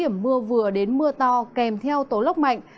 mưa vừa đến mưa to kèm theo tố lóc mạnh